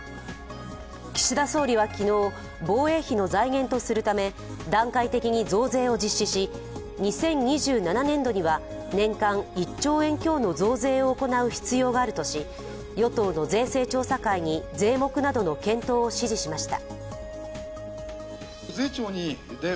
岸田総理は昨日、防衛費の財源とするため段階的に増税を実施し２０２７年度には年間１兆円強の増税を行う必要があるとし与党の税制調査会に税目などの検討を指示しました。